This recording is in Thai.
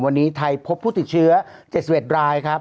วันนี้ไทยพบผู้ติดเชื้อ๗๑รายครับ